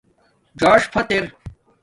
ژݳݽ فت ار